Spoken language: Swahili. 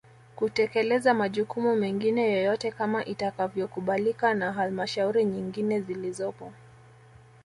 Kutekeleza majukumu mengine yoyote kama itakavyokubalika na Halmashauri nyingine zilizopo